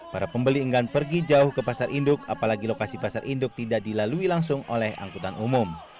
para pembeli enggan pergi jauh ke pasar induk apalagi lokasi pasar induk tidak dilalui langsung oleh angkutan umum